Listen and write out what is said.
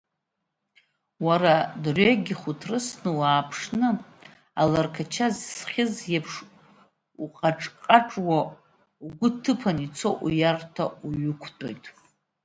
Уара дырҩегьых уҭрысны уааԥшны, алырқача зыхьыз иеиԥш уҟаҿ-ҟаҿуа, угәы ҭыԥаны ицо уиарҭа уҩықәтәоит.